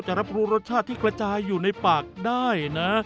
รับรู้รสชาติที่กระจายอยู่ในปากได้นะ